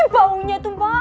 baunya tuh mbak